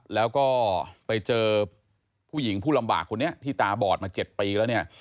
แล้วก็ไปเจอผู้หญิงผู้ลำบากคนนี้ที่ตาบอดมา๗ปีแล้วเนี่ย